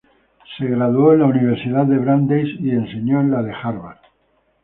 Se graduó en Brandeis University y enseñó en Harvard University.